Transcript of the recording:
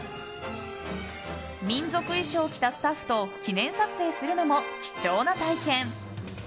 民族衣装を着たスタッフと記念撮影するのも貴重な体験。